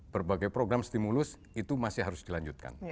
berbagai program stimulus itu masih harus dilanjutkan